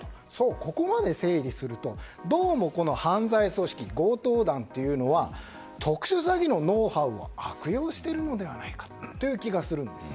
ここまで整理するとどうも、この犯罪組織強盗団というのは特殊詐欺のノウハウを悪用しているのではないかという気がするんです。